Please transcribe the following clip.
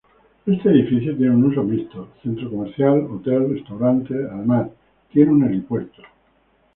Este edificio tiene uso mixto: centro comercial, hotel, restaurante, además tiene un helipuerto.